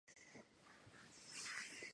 セルビアの首都はベオグラードである